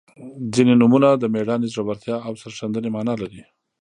• ځینې نومونه د میړانې، زړورتیا او سرښندنې معنا لري.